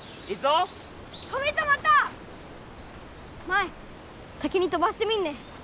舞先に飛ばしてみんね。